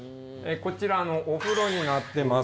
こちらお風呂になってます。